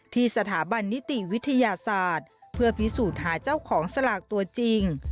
ที่สถาบันนิติวิทยาศาสตร์เพื่อพิสูจน์หาเจ้าของสลากตัวจริง